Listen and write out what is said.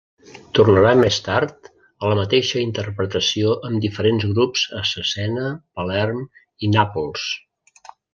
Tornarà més tard a la mateixa interpretació amb diferents grups a Cesena, Palerm i Nàpols.